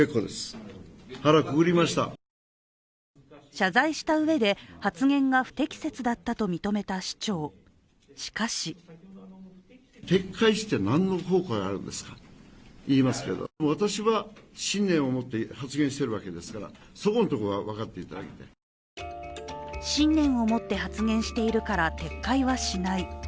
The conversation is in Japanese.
謝罪したうえで発言が不適切だったと認めた市長、しかし信念を持って発言しているから撤回はしない。